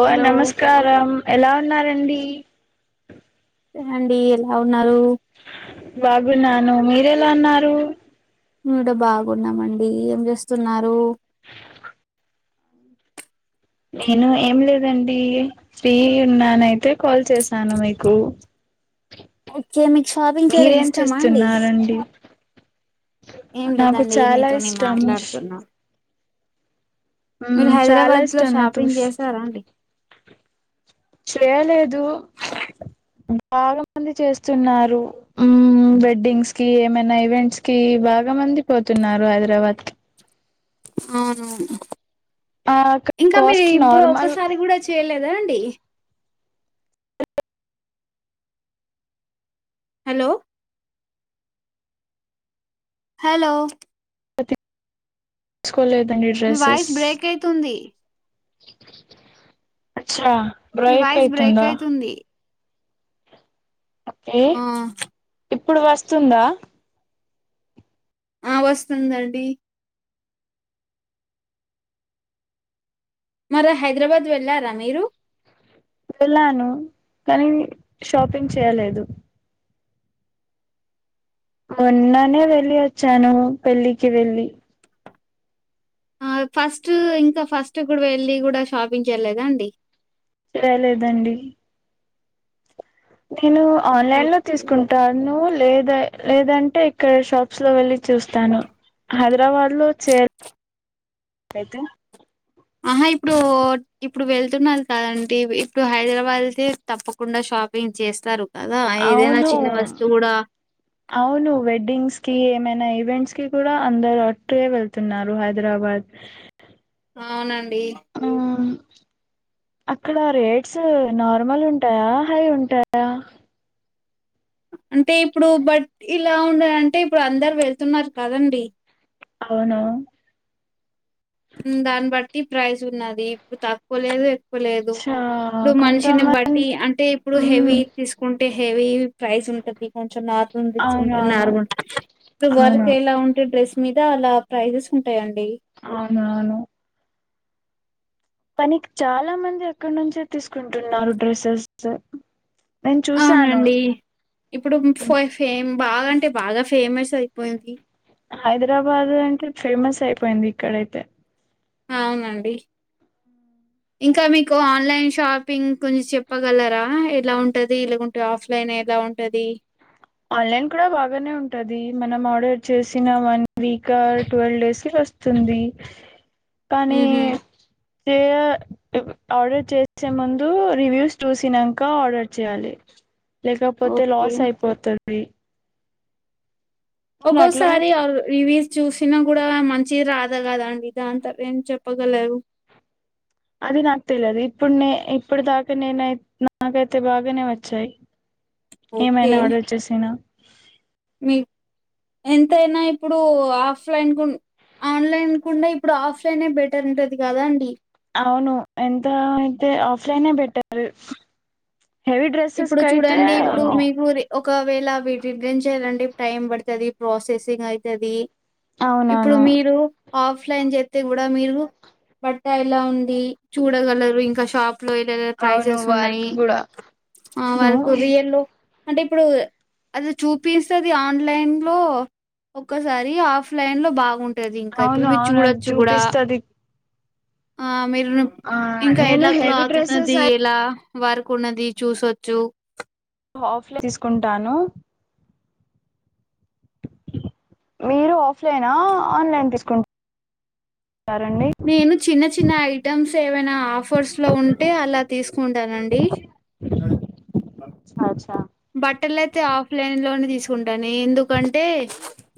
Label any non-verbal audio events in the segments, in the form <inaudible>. ఓ hello నమస్కారం ఎలా ఉన్నారండి <inaudible> అండీ ఎలా ఉన్నారు బాగున్నాను మీరు ఎలా ఉన్నారు నూట బాగున్నామండి ఏం జేస్తున్నారూ నేను ఏం లేదండీ ఫ్రీ ఉన్నానైతే కాల్ చేసాను మీకు ఓకే మీకు షాపింగ్ చేయడం మీరేం ఇష్టమా అండి చేస్తున్నారండి ఏం నాకు లేదండి చాలా మీతోని ఇష్టం మాట్లాడుతున్నా మీరు మ్మ్ చాలా హైదరాబాద్ లో ఇష్టం నాకు షాపింగ్ జేసారా అండి చేయలేదు బాగ మంది చేస్తున్నారు ఊమ్ వెడ్డింగ్స్ కీ ఏమైనా ఈవెంట్స్ కి బాగా మంది పోతున్నారు హైదరాబాద్ కి అవును ఆ ఇంకా మీ కాస్ట్ ఇప్పుడు నార్మల్ ఒక్కసారి గూడచ్ చేయలేదా అండి హలో హలో స్కోలేదండి మీ డ్రెస్సెస్ వాయిస్ బ్రేక్ అయితుంది అచ్చా మీ బ్రేక్ వాయిస్ బ్రేక్ అయితుందా అయితుంది ఒకే ఆ ఇప్పుడు వస్తుందా ఆ వస్తుందండీ మరి హైదరాబాద్ వెళ్లారా మీరు వెళ్ళాను కానీ షాపింగ్ చేయలేదు మోన్ననే వెళ్ళి ఒచ్చాను పెళ్ళికి వెళ్ళి ఆ ఫస్ట్ ఇంక ఫస్ట్ కూడ్ వెళ్ళి గుడా షాపింగ్ చేయలేదా అండి చేయలేదండి తినీ ఆన్లైన్ లో ఓకే తీస్ కుంటాను లేదై లేదంటే ఇక్కడ షాప్స్ లో వెళ్లి చూస్తాను హైదరాబాద్ లో చేర్ <inaudible> అయితే అహా ఇపుడూ ఇప్పుడు వెళ్తున్నాన్ కదండి ఇప్పుడు హైదరాబాద్ కి తప్పకుండ షాపింగ్ చేస్తారు కదా ఆ ఏదైనా అవును చిన్న వస్తువు గుడా అవును వెడ్డింగ్స్ కీ ఏమైనా ఈవెంట్స్ కి కూడా అందరూ అటే వెళ్ తున్నారు హైదరాబాద్ అవునండీ ఆ అక్కడా రేట్స్ నార్మల్ ఉంటాయా హై ఉంటాయా అంటే ఇప్పుడు బట్ ఇలా ఉండనంటే ఇప్పుడు అందరు వెళ్తున్నారు కదండి అవును ఊ దాన్ బట్టి ప్రైస్ ఉన్నది ఇపు తక్వ లేదు ఎక్వ లేదు చా పుడు మనిషిని బట్టీ కొంతమంది అంటే ఇప్పుడు మ్మ్ హెవీ తీసుకుంటే హెవీ ప్రైస్ ఉంటది కొంచెం నార్మల్ దీసుకుంటే అవునవును నార్మ ఉంటది ఇపుడు అవును వర్క్ ఎలా ఉంటే డ్రెస్ మీదా అలా ప్రైజెస్ ఉంటాయండి అవునవును కానీ చాలా మంది అక్క నుంచే తీసుకుంటున్నారు డ్రెస్సెస్ నేను చూసాను అవునండీ ఇప్పుడు ఫొయ్ ఫేమ్ బాగా అంటే బాగా ఫేమస్ అయ్పోయింది హైదరాబాద్ అంటే ఫేమస్ అయిపోయింది ఇక్కడైతే అవునండి ఉ <unintelligible> ఇంకా మీకు ఆన్లైన్ షాపింగ్ కొంచెం చెప్పగలరా ఎలా ఉంటది ఆఫ్లైన్ ఎల ఉంటది ఆన్లైన్ కూడా బాగానే ఉంటది మనం ఆర్డర్ చేసిన వన్ వీక్ ట్వెల్వ్ డేస్లో వస్తుంది కానీ హుహు. <unintelligible> ఆర్డర్ చేసే ముందు రివ్యూస్ చూసినంక ఆర్డర్ చేయాలి లేకపోతే ఓకే. లాస్ అయిపోతది నేను అట్లనే ఒక్కోసారి <unintelligible> చూసినా కూడ మంచిది రాద కదండి దాని తరవా ఏం చెప్పగలరు అదిర్థంలే అది ఇప్పుడున్న ఇప్పుడుదాక <unintelligible> నాకైతే బాగానే వచ్చాయి ఓకే. ఏమైనా ఆర్డర్ చ్చేసిన మీ ఎంతయిన ఇప్పుడు ఆఫ్లైన్ కు ఆన్లైన్ కుడ ఇప్పుడు ఆఫ్లైన్ బెటర్ ఉంటది కదా అండి అవును ఎంత అయితే ఆఫ్లైనే బెటరు ఇప్పుడు చూడండి ఇప్పుడు మీకు ఒకవేళ వీటిం చేయాలంటడి టైం పడుతుంది ప్రాసెసింగ్ అవుతుది ఇప్పుడు అవునవును మీరు ఆఫ్ లైన్ చేస్తతే కూడా మీరు బట్ట ఎలా ఉడి చూడగలరు ఇంకా షా అవును ప్రైజెస్ వర్క్ ఉన్నాయి కూడా అవును <unintelligible> అంటే ఇప్పుడు అది చూపిస్తది ఆన్లైన్ లో ఒక్కసారి ఆఫ్లైన్ లో బాగుంటది ఇంకా ఇప్పుడు అవును మీరు అవును అది చూడొచ్చు కూడ చూపిస్తది ఆ మీరు ఆ ఇంక నేను ఎలాక్ లో హెవీ డ్రెస్సెస్ ఆతున్నది అయి ఎలా <unintelligible> ఉన్నది చూసొచ్చు ఆఫ్ <unintelligible> తీసుకుంటాను మీరు ఆఫ్లైనా ఆన్లైన్ తీసుకుంట <unintelligible> నేను చిన్న చిన్న ఐటమ్స్ ఏమైనా ఆఫర్స్లో ఉంటే అలా తీసుకుంటానండి అచ్చ బట్టలు అయితే ఆఫ్ లైన్ లోనే తీసుకుంటాను ఎందుకంటే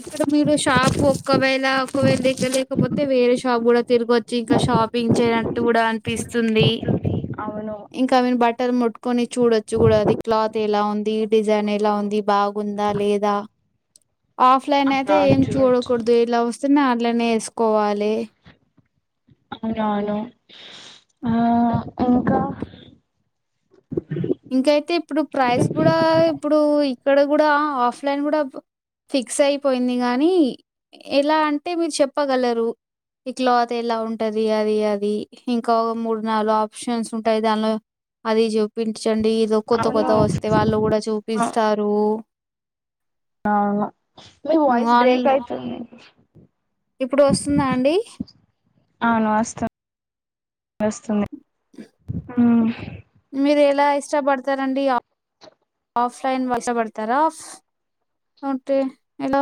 ఇక్కడ మీరు షాప్ ఒక్కవేళ ఒకవేళ ఇక లేకపోతే వేరే షాప్ కూడా తిరగవచ్చు ఇంకా షా <unintelligible> కూడ అనిపిస్తుంది అవును అవి బట్టర్ ముట్టుకొని చూడొచ్చు కూడా అది క్లాత్ ఎలా ఉంది డిజైన్ ఎలా ఉంది బాగుందా లేద ఆఫ్లైన్ అయితే అవునవును ఏం చూడొచ్చు చూడకూడదు ఇలా వస్తేనే అలానే వేసుకోవాలి అవునవును ఆ ఇంకా ఇంకైతే ఇప్పుడు ప్రైస్ కూడా ఇప్పుడు ఇక్కడ కూడా ఆఫ్లైన్ కూడ ఫిక్స్ అయిపోయింది గానీ ఎల అంటే మీరు చెప్పగలరు ఇక్లో అత ఎలా ఉంటది అది అది ఇంకా ఒక మూడు నాలుగు ఆప్షన్స్ ఉంటాయి దాన్లో అది చూపించండి ఇదో కొత్త కొత్త అవును వస్తే వాళ్ళు కూడ చూపిస్తారు అ మీ వాయిస్ ఆల్ బ్రేక్ అయితుంది ఇప్పుడు వస్తుంద అండి అవును వస్తుంది వస్తుంది మీరు ఎలా ఇష్టపడతారండి ఆఫ్లైన్ ఇష్టపడతారా హలో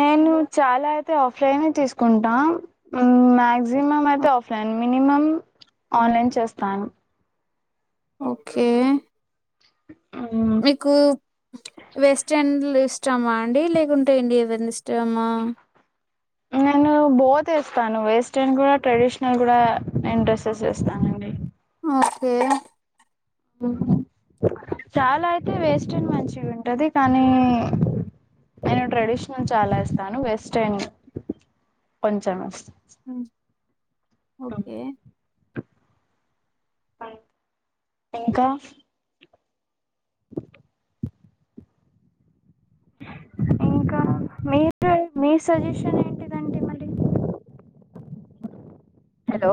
నేను చాల అయితే ఆఫ్లైన్ తీసుకుంటా మ్యా మినిమం అయితే ఆఫ్లైన్ మినిమం ఆన్లైన్ చేస్తాను ఓకే ఆ మీకు వెస్ట్రన్లు ఇష్టమా అండి లేకుంటే ఇండియన్ ఏవన్న ఇష్టామా నేను బోత్ వస్తాను వెస్ట్రన్ కూడా ట్రెడిషనల్ కూడా నేను డ్రెస్సెస్ వేస్తాను ఓకే చాలా అయితే వేస్టన్ మంచి ఉంటది కానీ నేను ట్రెడిషనల్ చాలా ఇస్తాను వెస్ట్రన్ కొంచెం వేస్తా ఉ ఓకే ఆ ఇంకా ఇంకా మీ మీ సజెషన్ ఏంటి హలో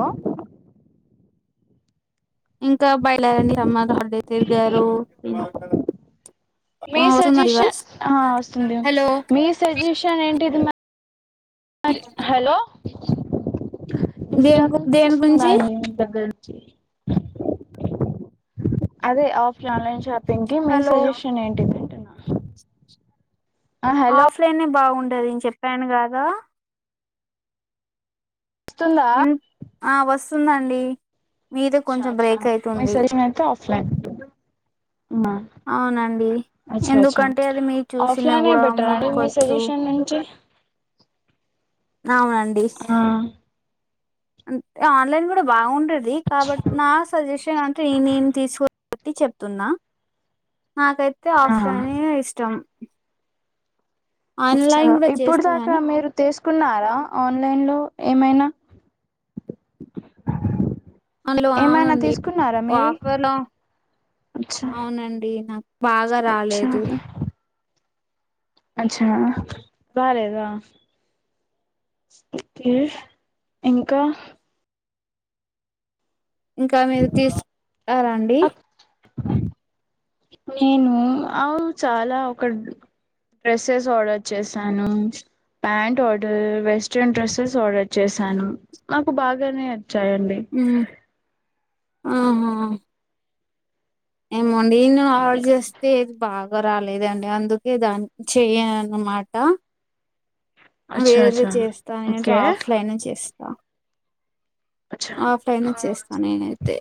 ఇంకా బయలుదేరారండి అమ్మ హాలిడే తిరిగారు మీ ఆ వస్తుందండి వాయిస్ సజెషన్ఆ వస్తుంది హలో మీ సజెషన్ ఏంటిది మరి మరి హలో దేని గు డిస్టర్బెన్స్ దేని వస్తుంది గురించి అండి డిస్టర్బెన్స్ అదే ఆఫ్ న్లైన్ షాపింగ్ కి మీ హలో సజెషన్ ఏంటి ఆ హలో ఆఫ్లైన్ బాగుండది అని చెప్పాను కదా వస్తుందా విన్ ఆ వస్తుందండి మీదే కొంచెం బ్రేక్ అయితుంది లైక్ ఆ అవునండి అచ్చ అచ్చ ఎందుకంటే అది మీరు చూసినా ఆఫ్లైన్ కూడా బెటర్ అండి మీ ముట్టుకోవచ్చు సజెషన్ ఏంటి అవునండి ఆ అంటే ఆన్లైన్ కూడా బాగుంటది ది కాబట్టి నా సజెషన్ అంటే నీను తీసుకునే దాన్ని బట్టి చెప్తున్నా నాకైతే ఆఫ్లైన్ ఇష్టం అచ్చా ఆన్లైన్ కూడా ఇప్పుడు చేస్తా దాకా గాని మీరు తీసుకున్నారా ఆన్లైన్ లో ఏమైనా అందులో ఏమైనా అవునండి తీసుకున్నారా ఓ మీరు ఆఫర్లో అచ్చా అవునండి నాకు బాగా అచ్చా రాలేదు అచ్చరాలేదా లే ఇంకా ఇంకా మీరు తీసుకున్నారా అండి నేను ఆ చాలా ఒక డ్రెస్సెస్ ఆర్డర్ చేశాను pant order western dresses order చేశాను నాకు బాగానే వచ్చాయండి ఉ ఆహా ఏమో నేను ఆర్డర్ చేస్తే ఐతే బాగా రాలేదండి అందుకే దాన్ని చెయ అన్నమాట వేరే అచ్చా ఏదో అచ్చా చేస్తా నేను ఓకే ఆఫ్లైన్ చేస్తా అచ్చా ఆఫ్లైన్ చేస్తా నేనైతే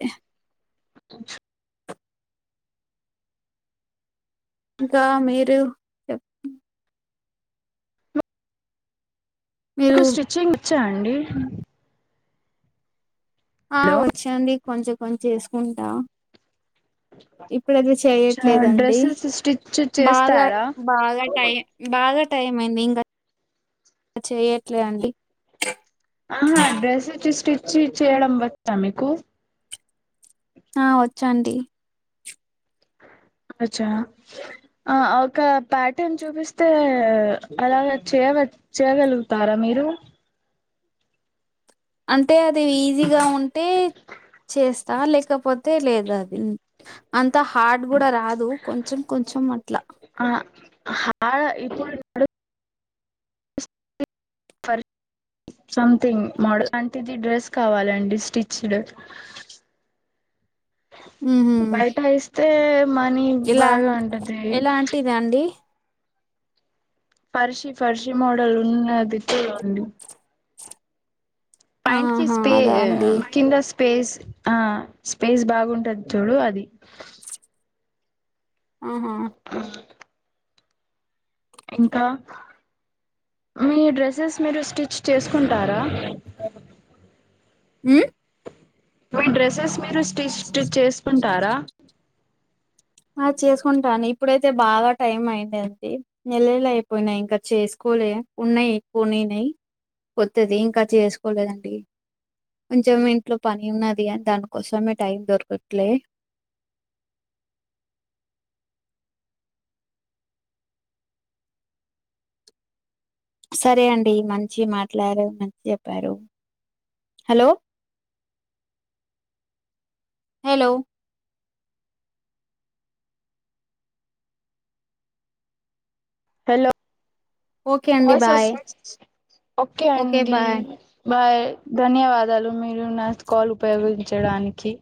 ఇంకా మీరు చెప్ ఒక మీరు స్టిచ్చింగ్ అచ్చా అండి ఆ హలో వచ్చేండి కొంచెం కొంచెం చేసుకుంటా ఇప్పుడు ఐతే చెయట్లేదండి డ్రెస్సెస్ స్టిచ్ బాగా చేస్తారా బాగా టై బాగా టైం అయింది ఇంకా చెయట్లే అండి ఆహా డ్రెస్ వచ్చి స్టిచ్చి చేయడం వచ్చా మీకు ఆ వచ్చండి అచ్చా ఆ ఒక ప్యాటర్న్ చూపిస్తే అలాగా చేయవచ్ చేయగలుగుతారా మీరు అంటే అది ఈజీగా ఉంటే చేస్తా లేకపోతే లేదుా అది అంత హార్ట్ గూడా రాదు కొంచెం కొంచెం అట్లా ఆ హా ఇప్పు ఫ సంథింగ్ మోడల్ లాంటిది డ్రెస్ కావాలండి స్టిచ్డ్ ఉహుమ్ బయటైస్తతే మనీ బాగా ఉంటది రండి పర్శి ఫర్షి మోడల్ ఉన్నది చూడండి ప్యాంస్కి ఆహా పే అదా అండి కింద స్పేస్ ఆ స్పేస్ బాగుంటాది చూడు అది ఆహా ఇంకా మీ డ్రెస్సెస్ మీరు స్టిచ్ చేసుకుంటారా ఉ మీ డ్రెస్సెస్ మీరు సస్టిచ్డ్ చేసుకుంటారా ఆ చేసుకుంటాను ఇప్పుడైతే బాగా టైం అయిందండి నెల్లళ్లు అయిపోయినాయి ఇంకా చేస్కూలే ఉన్నాయి పునీనాయి కొత్తది ఇంకా చేసుకోలేదండి కొంచెం ఇంట్లో పని ఉన్నది అ దానికోసమే టైం దొరకట్లే సరే అండి మంచి మాట్లాారు మంచి చెప్పారు హలో హలో హలో ఓకే అండి వాయిస్ అస్ బాయ్ ఓకే అండి బాయ్ ధన్యవాదాలు మీరు నా కాల్ ఉపయోగించడానికి